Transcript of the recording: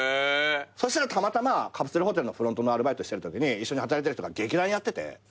そしたらたまたまカプセルホテルのフロントのアルバイトしてるときに一緒に働いてた人が劇団やってて。